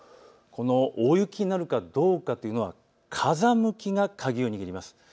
この大雪になるかどうかというのは風向きが鍵を握ります。